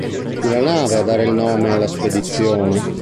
Fu la nave a dare il nome alla spedizione.